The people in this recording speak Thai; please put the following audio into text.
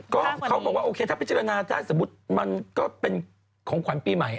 ก็เขาบอกว่าโอเคถ้าพิจารณาถ้าสมมุติมันก็เป็นของขวัญปีใหม่